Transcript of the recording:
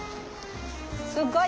すっごい！